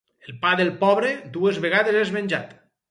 El pa del pobre dues vegades és menjat.